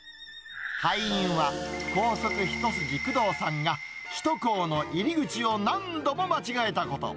敗因は、高速一筋、工藤さんが、首都高の入り口を何度も間違えたこと。